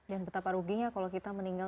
dan betapa ruginya kalau kita meninggal